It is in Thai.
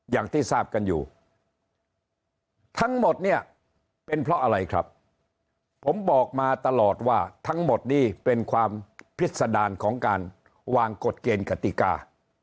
อย่างที่ทราบกันอยู่ทั้งหมดเนี่ยเป็นเพราะอะไรครับผมบอกมาตลอดว่าทั้งหมดนี้เป็นความพิษดารของการวางกฎเกณฑ์กติกา